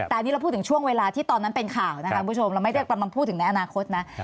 แต่อันนี้เราพูดถึงช่วงเวลาที่ตอนนั้นเป็นข่าวเราไม่ได้ประมาณพูดถึงในอนาคต